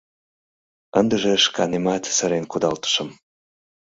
Ындыже шканемат сырен кудалтышым.